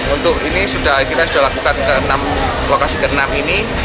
untuk ini kita sudah lakukan lokasi ke enam ini